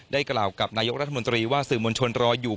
กล่าวกับนายกรัฐมนตรีว่าสื่อมวลชนรออยู่